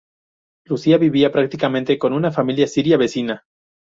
Lucia vivía prácticamente con una familia siria vecina.